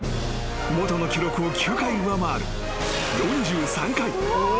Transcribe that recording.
［元の記録を９回上回る４３回。